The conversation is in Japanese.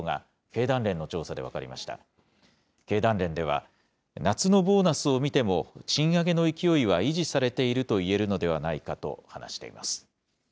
経団連では、夏のボーナスを見ても、賃上げの勢いは維持されているといえるのではないかと話しています。